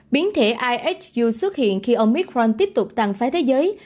biến thể ihu xuất hiện khi omicron tiếp tục tăng phái thế giới